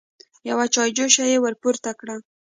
يوه چايجوشه يې ور پورته کړه.